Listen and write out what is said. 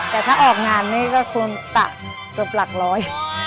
แต่ถ้าออกงานไม่ได้ก็ควรตะเกิดประหลักร้อย